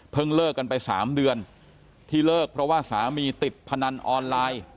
เลิกกันไป๓เดือนที่เลิกเพราะว่าสามีติดพนันออนไลน์